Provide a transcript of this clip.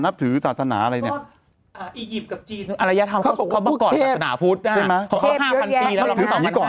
นับถือศาสนาอะไรนี่